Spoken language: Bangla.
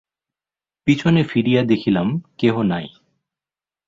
পিছনে ফিরিয়া দেখিলাম, কেহ নাই।